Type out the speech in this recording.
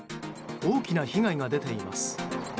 大きな被害が出ています。